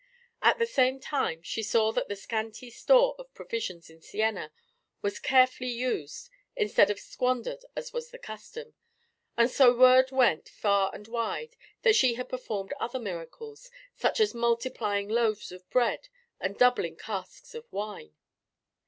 At the same time she saw that the scanty store of provisions in Siena was carefully used, instead of squandered as was the custom, and so word went far and wide that she had performed other miracles, such as multiplying loaves of bread and doubling casks of wine.